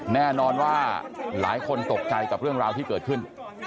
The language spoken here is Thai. แน่นอนว่าหลายคนตกใจกับเรื่องราวที่เกิดขึ้น